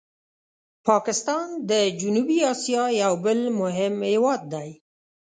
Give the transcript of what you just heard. پاکستان د جنوبي آسیا یو بل مهم هېواد دی.